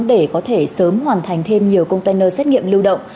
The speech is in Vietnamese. để có thể sớm hoàn thành thêm nhiều container xét nghiệm lưu động